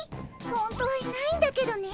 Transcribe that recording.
本当はいないんだけどね